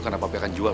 karena papi akan jual